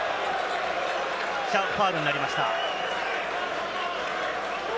ファウルになりました。